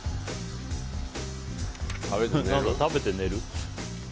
食べて寝る？